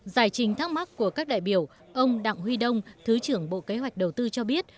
giải trình thắc mắc của các đại biểu ông đặng huy đông thứ trưởng bộ kế hoạch đầu tư cho biết